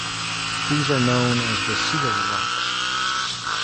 These are known as the Seal Rocks.